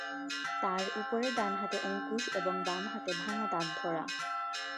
তার উপরের ডান হাতে অঙ্কুশ এবং বাম হাতে ভাঙা দাঁত ধরা।